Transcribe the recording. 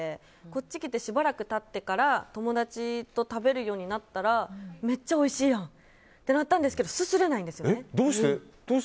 こっちに来てしばらく経ってから友達と食べるようになったらめっちゃおいしいやんってなったんですけどすすれないんですね。